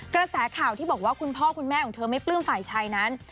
กระแสข่าวที่บอกว่าคุณพ่อคุณแม่ของเธอไม่ปลื้มฝ่ายชายนั้น